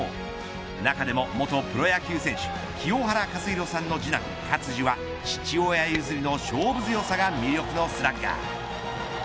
中でも元プロ野球選手清原和博さんの次男勝児は父親譲りの勝負強さが魅力のスラッガー。